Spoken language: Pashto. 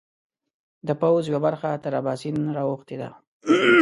د پوځ یوه برخه تر اباسین را اوښتې ده.